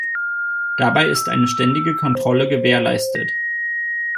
Dabei ist eine ständige Kontrolle gewährleistet.